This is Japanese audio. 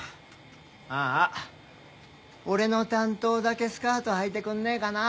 あーあ俺の担当だけスカートはいてくんねえかな。